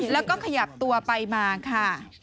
แล้วก็ขยับตัวไปมาค่ะ